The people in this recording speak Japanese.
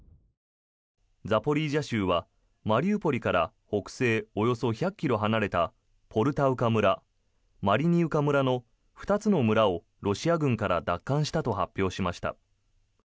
ザポリージャ州はマリウポリから北西およそ１００ｋｍ離れたポルタウカ村、マリニウカ村の２つの村をロシア軍から奪還したと発表しました。